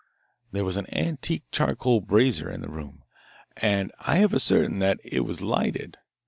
"There was an antique charcoal brazier in the room, and I have ascertained that it was lighted.